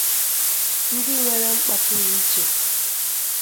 ndị nwere mkpa pụrụ iche